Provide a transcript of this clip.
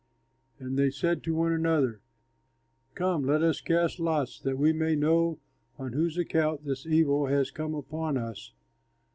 And they said to one another, "Come, let us cast lots, that we may know on whose account this evil has come upon us."